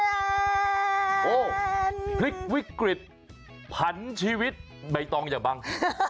โอ้โหพลิกวิกฤตผันชีวิตใบตองอย่าบัง